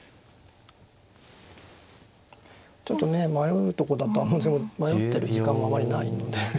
ちょっとね迷うとこだとは思うんですけども迷ってる時間もあまりないので。